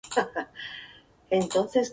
Estos especialmente en frases como.